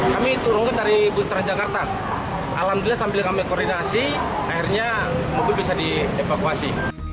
kami turunkan dari bus transjakarta alhamdulillah sambil kami koordinasi akhirnya mobil bisa dievakuasi